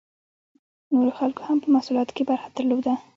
نورو خلکو هم په محصولاتو کې برخه درلوده.